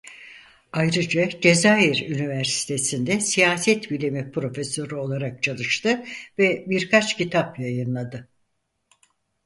Ayrıca Cezayir Üniversitesi'nde siyaset bilimi profesörü olarak çalıştı ve birkaç kitap yayınladı.